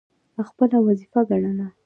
خپله وظیفه ګڼله.